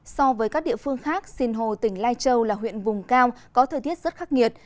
so với các địa phương khác sinh hồ tỉnh lai châu là huyện vùng cao có thời tiết rất khắc nghiệt